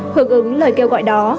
hợp ứng lời kêu gọi đó